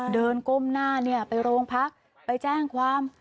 ก้มหน้าไปโรงพักไปแจ้งความ